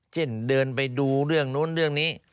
เช่นเดินไปดูเรื่องนู้นเรื่องนี้